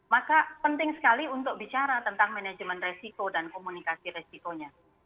maka penting sekali untuk bicara tentang manajemen resiko dan komunikasi resikonya